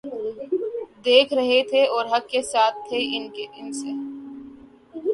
دیکھ رہے تھے اور حق کے ساتھ تھے ان سے